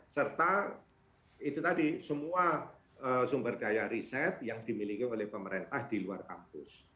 serta itu tadi semua sumber daya riset yang dimiliki oleh pemerintah di luar kampus